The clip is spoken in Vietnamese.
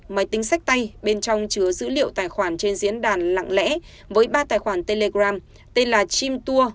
máy tính sách tay bên trong chứa dữ liệu tài khoản trên diễn đàn lặng lẽ với ba tài khoản telegram tên là chim tour